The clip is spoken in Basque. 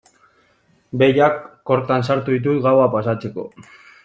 Behiak kortan sartu ditut gaua pasatzeko.